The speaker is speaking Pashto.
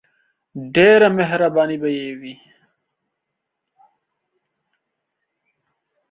ډیره مهربانی به یی وی.